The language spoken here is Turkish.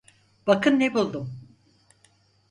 Bakın ne buldum.